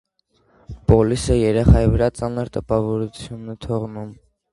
Պոլիսը երեխայի վրա ծանր տպավորություն է թողնում։